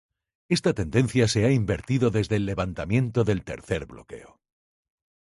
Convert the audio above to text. Esta tendencia se ha invertido desde el levantamiento del tercer bloqueo.